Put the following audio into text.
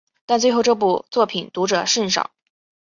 但最后这部作品读者甚少。